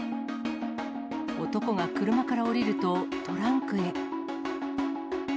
男が車から降りると、トランクへ。